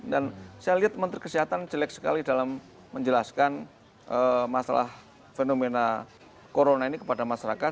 dan saya lihat menteri kesehatan jelek sekali dalam menjelaskan masalah fenomena corona ini kepada masyarakat